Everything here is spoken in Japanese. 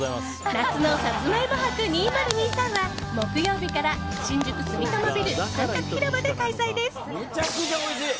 夏のさつまいも博２０２３は木曜日から新宿住友ビル三角広場で開催です。